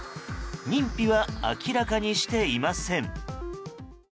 認否は明らかにしていません。